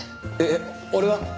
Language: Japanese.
えっ俺は？